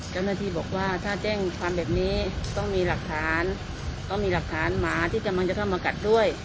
เจ้าหน้าที่บอกว่าถ้าแจ้งความแบบนี้ต้องมีหลักฐานต้องมีหลักฐานหมาที่กำลังจะเข้ามากัดด้วย